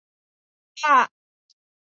对于检察机关服务复工复产大局